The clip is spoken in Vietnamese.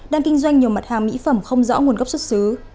đang kinh doanh nhiều mặt hàng mỹ phẩm không rõ nguồn gốc xuất xứ